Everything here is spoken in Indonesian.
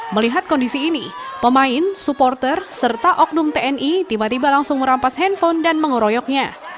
melihat kondisi ini pemain supporter serta oknum tni tiba tiba langsung merampas handphone dan mengeroyoknya